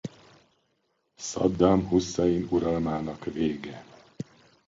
Szaddám Huszein uralmának vége.